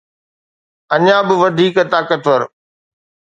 اڃا به وڌيڪ طاقتور